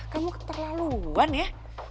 kamu keterlaluan ya